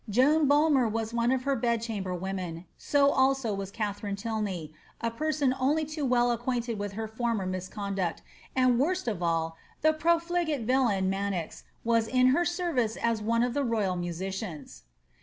Joan Bulmer was one of her bedchamber women, so also was Katharine Tylney, a person only too well acquainted with her former misconduct, and worst of all, the profligate villain Manox was in her service as one of the royal musicians.